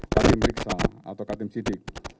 katim periksa atau katim sidik